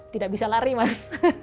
tidak bisa lari mas